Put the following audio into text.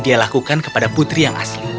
dia lakukan kepada putri yang asli